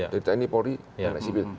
jadi ini polri anak anak sibil